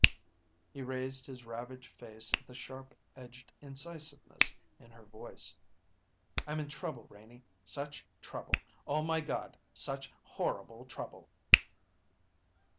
He raised his ravaged face at the sharp edged incisiveness in her voice. "I'm in trouble, Renie such trouble. Oh, my God, such horrible trouble!"